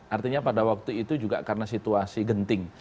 artinya pada waktu itu juga karena situasi genting